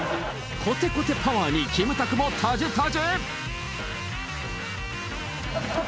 こてこてパワーにキムタクもたじたじ？